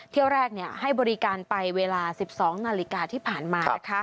เที่ยวแรกให้บริการไปเวลา๑๒นาฬิกาที่ผ่านมา